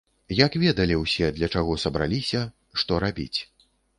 Як ведалі ўсе, для чаго сабраліся, што рабіць.